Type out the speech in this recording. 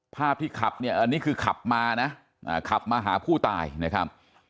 ภาพที่ขับเนี่ยอันนี้คือขับมานะขับมาหาผู้ตายนะครับ